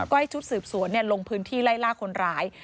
ก็ให้ชุดสืบสวนลงพื้นที่ไล่ล่าคนร้าย